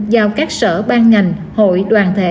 giao các sở ban ngành hội đoàn thể